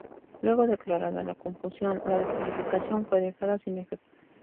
Luego de aclarada la confusión, la descalificación fue dejada sin efecto.